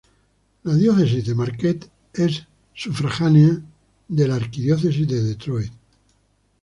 La Diócesis de Marquette es sufragánea d la Arquidiócesis de Detroit.